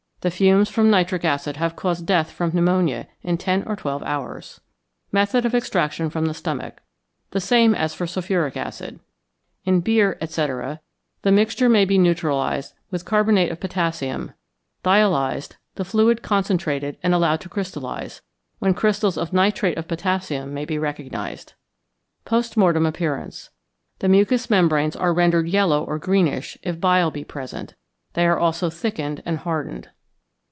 The fumes from nitric acid have caused death from pneumonia in ten or twelve hours. Method of Extraction from the Stomach. The same as for sulphuric acid. In beer, etc., the mixture may be neutralized with carbonate of potassium, dialyzed, the fluid concentrated and allowed to crystallize, when crystals of nitrate of potassium may be recognized. Post Mortem Appearance. The mucous membranes are rendered yellow or greenish if bile be present; they are also thickened and hardened.